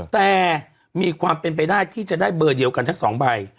แต่มีความเป็นไปได้ที่จะได้เบอร์เดียวกันทั้งสองใบ